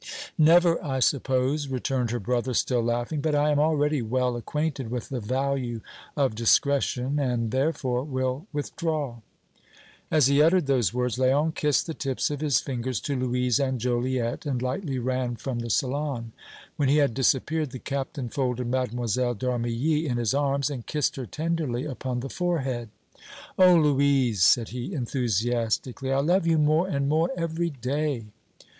"Never, I suppose!" returned her brother, still laughing. "But I am already well acquainted with the value of discretion and, therefore, will withdraw!" As he uttered those words, Léon kissed the tips of his fingers to Louise and Joliette, and lightly ran from the salon. When he had disappeared the Captain folded Mlle. d'Armilly in his arms and kissed her tenderly upon the forehead. "Oh! Louise," said he, enthusiastically, "I love you more and more every day!"